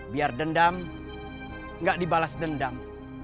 biar dendam nggak dibalas dendam